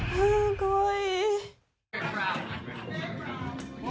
かわいい。